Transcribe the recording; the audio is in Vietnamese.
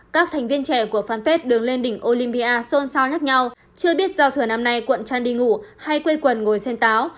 các thành viên trẻ của fanpage đường lên đỉnh olympia xôn xao nhắc nhau chưa biết giao thừa năm nay quận trang đi ngủ hay quê quần ngồi xem táo